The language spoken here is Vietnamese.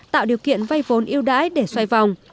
tạo điều kiện vay vốn yêu đái để xoay vòng